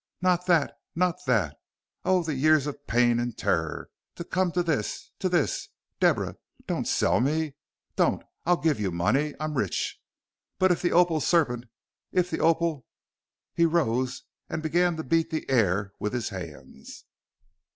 "Not that not that oh, the years of pain and terror! To come to this to this Deborah don't sell me. Don't. I'll give you money I am rich. But if the opal serpent if the opal " He rose and began to beat the air with his hands.